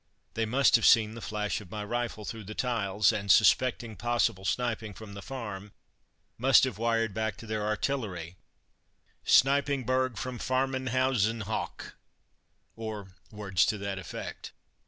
They must have seen the flash of my rifle through the tiles, and, suspecting possible sniping from the farm, must have wired back to their artillery, "Snipingberg from farmenhausen hoch!" or words to that effect.